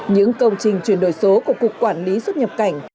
những công trình chuyển đổi số của cục quản lý xuất nhập cảnh